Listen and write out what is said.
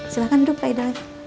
silahkan duk pak idoy